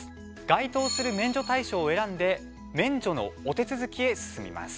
該当する免除対象を選んで免除のお手続きへ進みます。